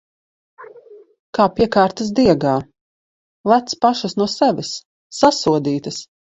Kā piekārtas diegā... Lec pašas no sevis! Sasodītas!